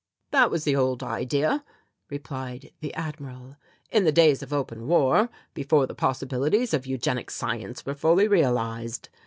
"That was the old idea," replied the Admiral, "in the days of open war, before the possibilities of eugenic science were fully realized.